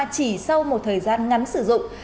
chỉ sau một thời gian ngắn sử dụng